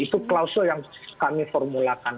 itu klausul yang kami formulakan